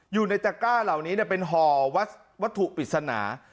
อยู่ในตะก้าเหล่านี้เป็นห่อวัตถุปริศนา